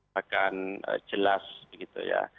bahkan jelas begitu ya